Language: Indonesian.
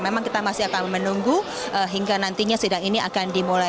memang kita masih akan menunggu hingga nantinya sidang ini akan dimulai